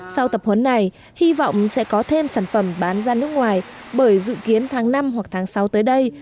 sau tập huấn này hy vọng sẽ có thêm sản phẩm bán ra nước ngoài bởi dự kiến tháng năm hoặc tháng sáu tới đây